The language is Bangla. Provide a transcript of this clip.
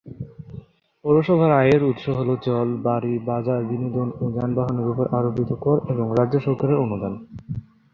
পুরসভার আয়ের উৎস হল জল, বাড়ি, বাজার, বিনোদন ও যানবাহনের উপর আরোপিত কর এবং রাজ্য সরকারের অনুদান।